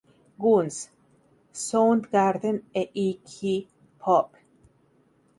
Guns, Soundgarden e Iggy Pop.